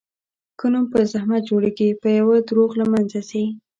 ښه نوم په زحمت جوړېږي، په یوه دروغ له منځه ځي.